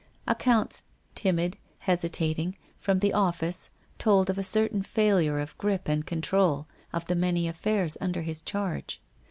Accounts, timid, hesitating, from the office, told of a certain failure of grip and control of the many affairs under his charge.